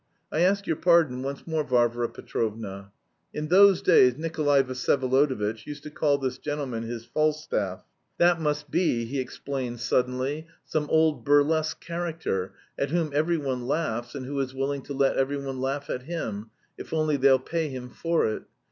I ask your pardon once more, Varvara Petrovna. In those days Nikolay Vsyevolodovitch used to call this gentleman his Falstaff; that must be," he explained suddenly, "some old burlesque character, at whom every one laughs, and who is willing to let every one laugh at him, if only they'll pay him for it.